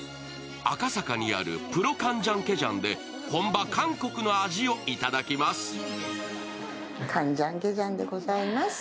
赤坂にあるプロカンジャンケジャンで本場韓国の味をいただきます。